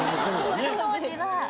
その当時は。